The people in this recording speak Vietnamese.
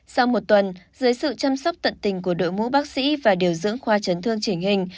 sau một tuần dưới sự chăm sóc tận tình của đội ngũ bác sĩ và điều dưỡng khoa chấn thương chỉnh hình